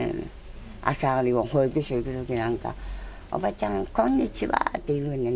朝、保育所行くときなんか、あんた、おばちゃん、こんにちはって言うねん。